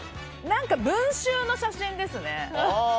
何か文集の写真ですね。